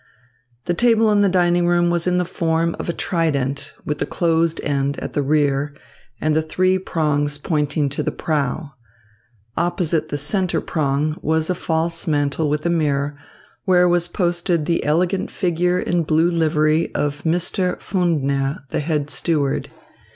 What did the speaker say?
The table in the dining room was in the form of a trident, with the closed end at the rear and the three prongs pointing to the prow. Opposite the centre prong was a false mantel with a mirror, where was posted the elegant figure in blue livery of Mr. Pfundner, the head steward.